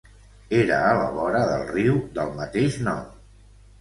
Era a la vora del riu del mateix nom.